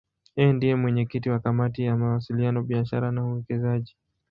Yeye ndiye mwenyekiti wa Kamati ya Mawasiliano, Biashara na Uwekezaji.